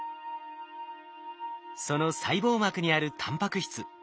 その細胞膜にあるタンパク質。